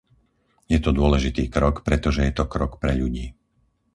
Je to dôležitý krok, pretože je to krok pre ľudí.